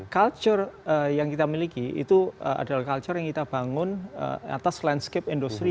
culture yang kita miliki itu adalah culture yang kita bangun atas landscape industri